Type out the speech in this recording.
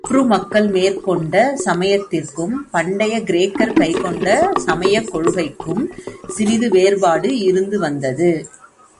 Hebrew மக்கள் மேற்கொண்ட சமயத்திற்கும், பண்டையக் கிரேக்கர் கைக்கொண்ட சமயக் கொள்கைக்கும், சிறிது வேறுபாடு இருந்து வந்தது.